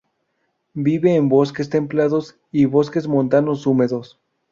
Vive en bosques templados y bosques montanos húmedos.